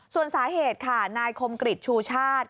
ส่วนสาเหตุค่ะนายคมกริจชูชาติ